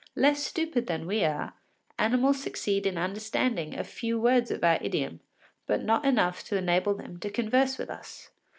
Less stupid than we are, animals succeed in understanding a few words of our idiom, but not enough to enable them to converse with us.